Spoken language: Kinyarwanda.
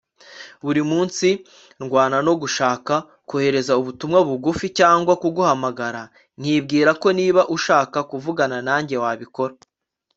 buri munsi, ndwana no gushaka kohereza ubutumwa bugufi cyangwa kuguhamagara, nkibwira ko niba ushaka kuvugana nanjye, wabikora